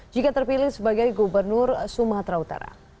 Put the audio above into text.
jika terpilih sebagai gubernur sumatera utara